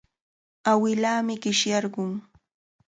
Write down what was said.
Awilaami qishyarqun.